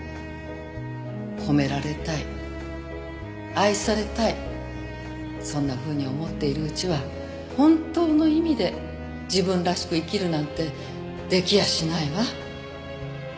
褒められたい愛されたいそんなふうに思っているうちは本当の意味で自分らしく生きるなんて出来やしないわ。